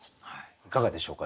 いかがでしょうか？